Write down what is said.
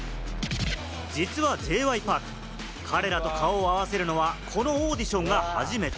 実はＪ．Ｙ．Ｐａｒｋ、彼らと顔を合わせるのはこのオーディションが初めて。